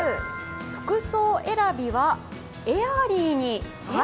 服装選びはエアリーに。